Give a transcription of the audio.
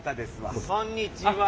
こんにちは。